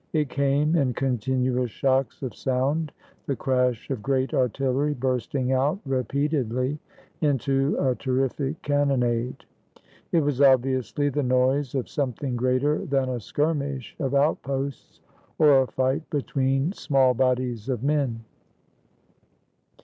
It came in continuous shocks of sound, the crash of great artillery bursting out repeat edly into a terrific cannonade. It was obviously the noise of something greater than a skirmish of outposts or a fight between small bodies of men.